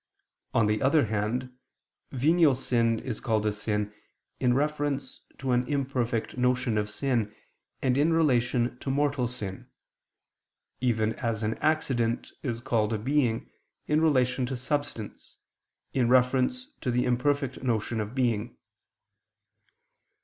On the other hand, venial sin is called a sin, in reference to an imperfect notion of sin, and in relation to mortal sin: even as an accident is called a being, in relation to substance, in reference to the imperfect notion of being.